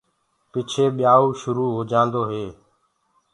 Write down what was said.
پچهي ٻيايوُ شُرو هوجآندو هي۔